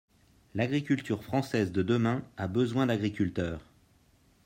L’agriculture française de demain a besoin d’agriculteurs.